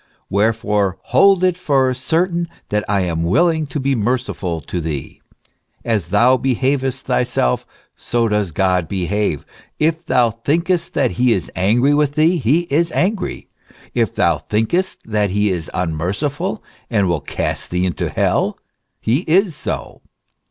Wherefore hold it for certain that I am willing to be merciful to thee." " As thou behavest thyself, so does God behave. If thou thinkest that he is angry with thee, He is angry; if thou thinkest that He is unmerciful, and will cast thee into hell, He is so.